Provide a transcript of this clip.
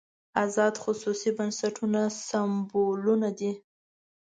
ازاد خصوصي بنسټونه سېمبولونه دي.